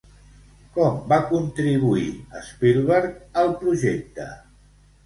Com va contribuir Spielberg al projecte?